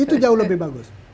itu jauh lebih bagus